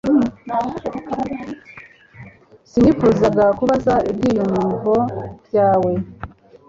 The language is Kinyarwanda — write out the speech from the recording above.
Sinifuzaga kubabaza ibyiyumvo byawe